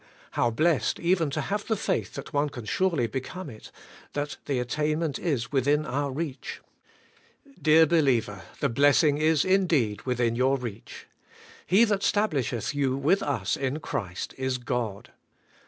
How blessed even to have the faith that one can surely become it, — that the attain ment is within our reach! Dear believer, the blessing is indeed within your reach. He that stablisheth you with us in Christ is God.